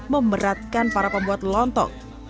memeratkan para pembuat lontong